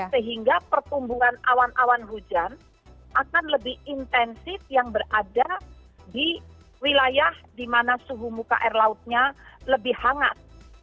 sehingga pertumbuhan awan awan hujan akan lebih intensif yang berada di wilayah di mana suhu muka air lautnya lebih hangat